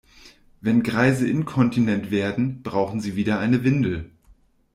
Wenn Greise inkontinent werden, brauchen sie wieder eine Windel.